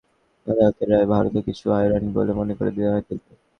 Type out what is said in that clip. নেদারল্যান্ডসের স্থায়ী সালিসি আদালতের রায়ে ভারতও কিছু হারায়নি বলে মনে করে নয়াদিল্লি।